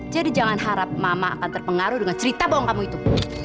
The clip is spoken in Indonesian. jadi jangan harap mama akan terpengaruh dengan cerita bohong kamu itu